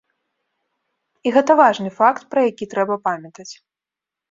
І гэта важны факт, пра які трэба памятаць.